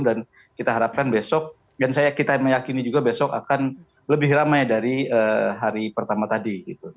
dan kita harapkan besok dan saya kita meyakini juga besok akan lebih ramai dari hari pertama tadi